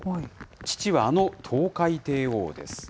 父はあのトウカイテイオーです。